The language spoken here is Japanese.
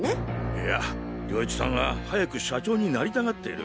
いや涼一さんは早く社長になりたがっている。